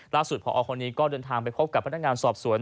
ผอคนนี้ก็เดินทางไปพบกับพนักงานสอบสวน